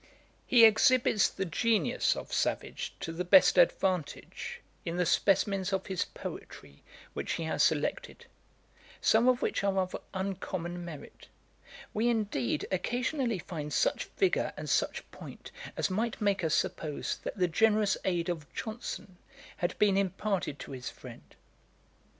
] He exhibits the genius of Savage to the best advantage in the specimens of his poetry which he has selected, some of which are of uncommon merit. We, indeed, occasionally find such vigour and such point, as might make us suppose that the generous aid of Johnson had been imparted to his friend.